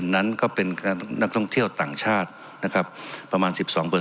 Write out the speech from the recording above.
๑๒นั้นก็เป็นนักท่องเที่ยวต่างชาตินะครับประมาณ๑๒